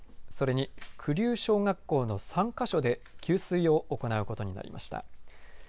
それにくりゅう小学校の参加者で給水を行うことになりました。